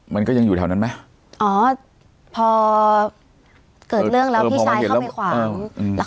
มันก็ยังอยู่แถวนั้นไหมอ๋อพอเกิดเรื่องแล้วพี่ชายเข้าไปขวาง